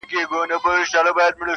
• چي انسان هم آموخته په غلامۍ سي -